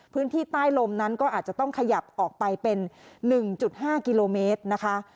พื้นที่ใต้ลมนั้นก็อาจจะต้องขยับออกไปเป็น๑๕กิโลเมตรนะคะ